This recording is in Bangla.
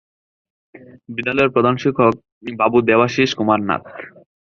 বিদ্যালয়ের প্রধান শিক্ষক বাবু দেবাশীষ কুমার নাথ।